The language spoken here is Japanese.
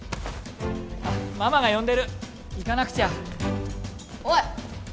あっママが呼んでる行かなくちゃおい！